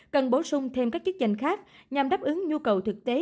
cần bổ sung thêm các chức danh khác nhằm đáp ứng nhu cầu thực tế